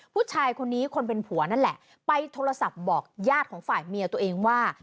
ผู้ชายคนนี้คนเป็นผัวนั่นแหละไปโทรศัพท์บอกญาติของฝ่ายเมียตัวเองว่า